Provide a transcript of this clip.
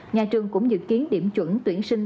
nhà trường cũng dự kiến điểm chuẩn tuyển sinh